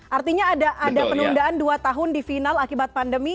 artinya ada penundaan dua tahun di final akibat pandemi